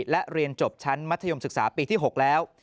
และเรียนจบชั้นมัธยมศึกษาปีที่๖แล้ว